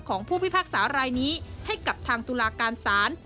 ของผู้พิพากษารายนี้ให้กับทางตุลาการศาล